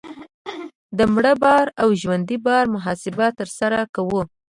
د مړ بار او ژوندي بار محاسبه ترسره کوو